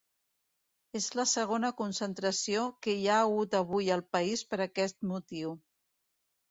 És la segona concentració que hi ha hagut avui al país per aquest motiu.